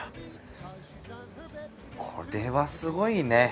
これはすごいね。